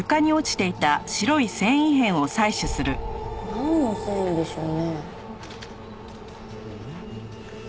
なんの繊維でしょうね？